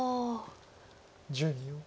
１０秒。